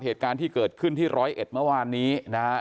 เหตุการณ์ที่เกิดขึ้นที่ร้อยเอ็ดเมื่อวานนี้นะฮะ